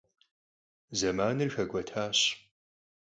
Zemanır xek'uetaş.